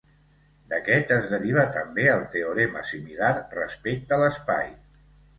D'aquest es deriva també el teorema similar respecte l'espai.